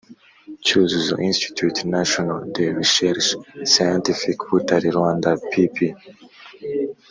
cyuzuzo institut national de rercherche scientifique butare, rwanda pp-